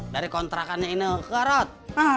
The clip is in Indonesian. dari kontrakannya ini ke rot